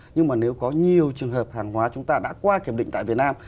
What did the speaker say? nhưng mà nếu có nhiều trường hợp hàng hóa chúng ta đã qua kiểm định tại việt nam